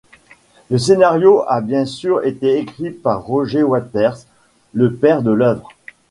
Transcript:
Le scénario a bien sûr été écrit par Roger Waters, le père de l'œuvre.